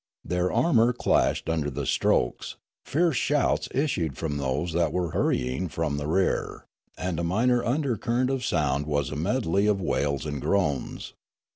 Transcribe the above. Their armour clashed under the strokes, fierce shouts issued from those that were hurrying from the rear, and a minor undercurrent of sound was a medle\^ of wails and groans.